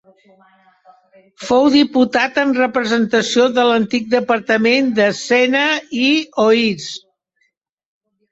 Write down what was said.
Fou diputat en representació de l'antic departament de Sena i Oise.